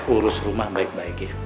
urus rumah baik baik ya